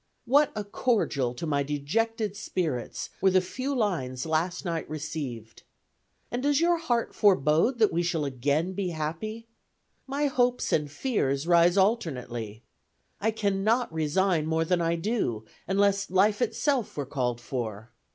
"What a cordial to my dejected spirits were the few lines last night received! And does your heart forebode that we shall again be happy? My hopes and fears rise alternately. I cannot resign more than I do, unless life itself were called for.